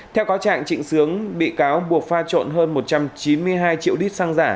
theo cáo trạng trịnh sướng bị cáo buộc pha trộn hơn một trăm chín mươi hai triệu lít xăng giả